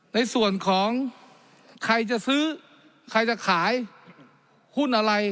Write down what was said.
ในส่วนของใครจะซื้อใครจะขายหุ้นอะไร